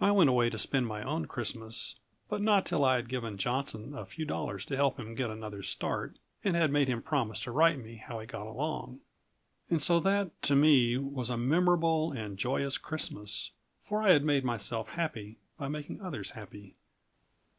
I went away to spend my own Christmas, but not till I had given Johnson a few dollars to help him get another start, and had made him promise to write me how he got along. And so that to me was a memorable and a joyous Christmas, for I had made myself happy by making others happy.